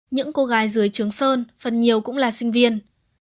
những cô gái dưới trường sơn phần nhiều cũng là sinh viên